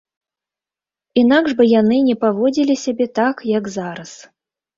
Інакш бы яны не паводзілі сябе так, як зараз.